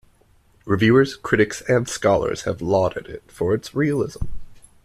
Reviewers, critics and scholars have lauded it for its realism.